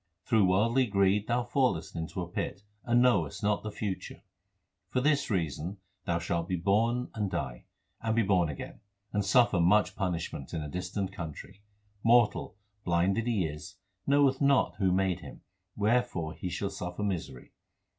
Through worldly greed thou fallest into a pit, and knowest not the future. Forthis reason thou shalt be born and die, and be born again, And suffer much punishment in a distant country. 2 Mortal, blind that he is, knoweth not who made him; wherefore he shall suffer misery.